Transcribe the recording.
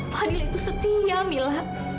fadil itu setia mila